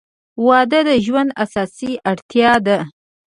• واده د ژوند اساسي اړتیا ده.